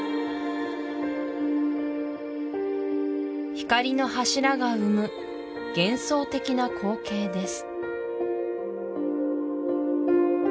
光の柱が生む幻想的な光景です